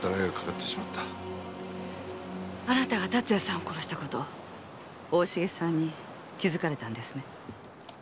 あなたが龍哉さんを殺した事大重さんに気づかれたんですね。